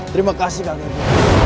terima kasih kak gede